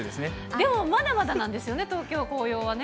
でもまだまだなんですね、東京、紅葉はね。